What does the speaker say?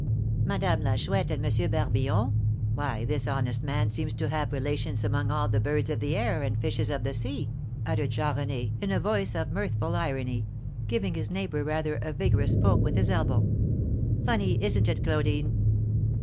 "Madame la Chouette and M. Barbillon. Why this honest man seems to have relations among all the 'birds of the air and fishes of the sea,'" uttered Jean René in a voice of mirthful irony, giving his neighbour rather a vigorous poke with his elbow. "Funny, isn't it, Claudine?"